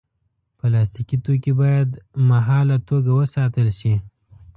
پلاستيکي توکي باید مهاله توګه وساتل شي.